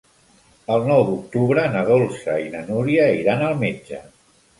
El nou d'octubre na Dolça i na Núria iran al metge.